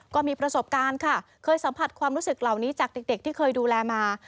ก็มีประสบการณ์ค่ะเคยสัมผัสความรู้สึกเหล่านี้จากเด็กที่เคยดูแลมา